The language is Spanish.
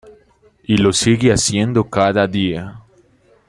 Y lo sigue haciendo cada día.